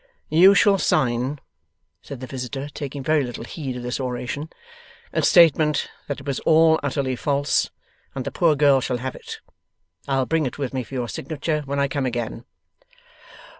'You shall sign,' said the visitor, taking very little heed of this oration, 'a statement that it was all utterly false, and the poor girl shall have it. I will bring it with me for your signature, when I come again.